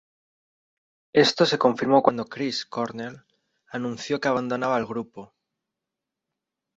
Esto se confirmó cuando Chris Cornell anunció que abandonaba al grupo.